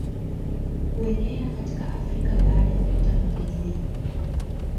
Kuenea katika Afrika baada ya mkutano wa Berlin